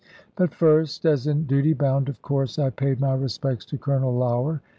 But first, as in duty bound, of course, I paid my respects to Colonel Lougher.